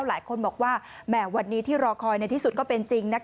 หลายคนบอกว่าแหม่วันนี้ที่รอคอยในที่สุดก็เป็นจริง